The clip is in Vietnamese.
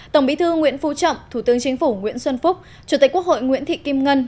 tổng bí thư nguyễn phú trọng thủ tướng chính phủ nguyễn xuân phúc chủ tịch quốc hội nguyễn thị kim ngân